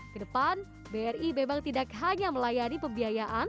ke depan bri memang tidak hanya melayani pembiayaan